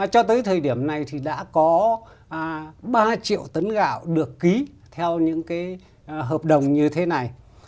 cho tới thời điểm này thì đã có ba triệu tấn gạo được ký theo những cái hợp đồng như thế này